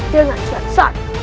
dengan siap satu